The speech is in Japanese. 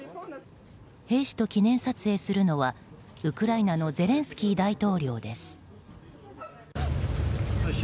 兵士と記念撮影するのはウクライナのゼレンスキー大統領です。